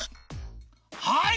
はい！